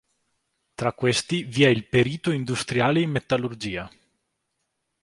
Tra questi vi è il Perito Industriale in Metallurgia.